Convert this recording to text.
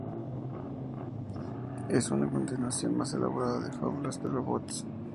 Es una continuación, más elaborada, de "Fábulas de robots".